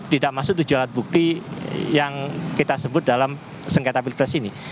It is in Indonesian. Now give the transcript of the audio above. tidak masuk tujuh alat bukti yang kita sebut dalam sengketa pilpres ini